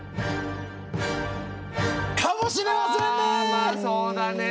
かもしれませんね！